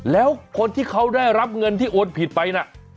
แล้วคนที่เขาได้รับเงินที่โอนผิดไปนะ